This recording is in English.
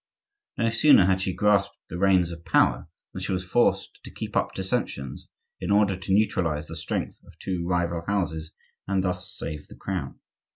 No sooner had she grasped the reins of power than she was forced to keep up dissensions in order to neutralize the strength of two rival houses, and thus save the Crown.